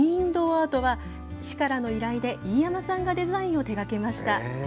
アートは市からの依頼で、飯山さんがデザインを手がけました。